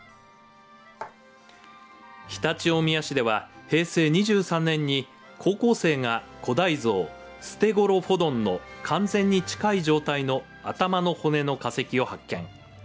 常陸大宮市では平成２３年に高校生が古代ゾウ「ステゴロフォドン」の完全に近い状態の頭の骨の化石を発見。